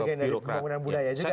bagian dari pembangunan budaya juga